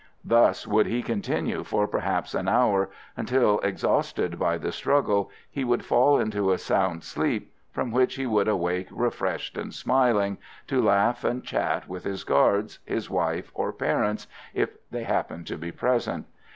Thus would he continue for perhaps an hour, until, exhausted by the struggle, he would fall into a sound sleep, from which he would awake refreshed and smiling, to laugh and chat with his guards, his wife or parents, if they happened to be present.